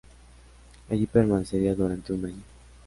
Allí permanecería durante un año.